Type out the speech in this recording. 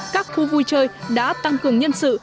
các khu vui chơi đã tăng cường nhân sự